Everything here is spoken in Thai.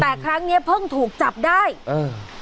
แต่ครั้งเนี้ยเพิ่งถูกจับได้เออ